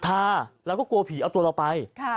ทาแล้วก็กลัวผีเอาตัวเราไป